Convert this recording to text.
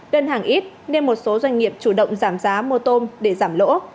đơn hàng ít nên một số doanh nghiệp chủ động giảm giá mua tôm để giảm lỗ